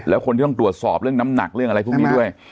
แล้วคนที่ต้องตรวจสอบเรื่องน้ำหนักเรื่องอะไรพวกนี้ด้วย